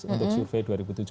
untuk survei dua ribu tujuh belas